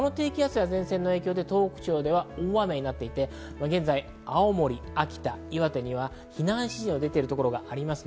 この影響で東北地方で大雨になっていて、現在、青森、秋田、岩手には避難指示が出ているところがあります。